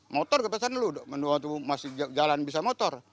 motor kepesan dulu waktu masih jalan bisa motor